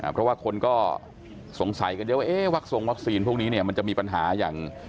เพราะว่าคนก็สงสัยกันเยอะว่าวักทรงวัคซีนพวกนี้เนี่ยมันจะมีปัญหาอย่าง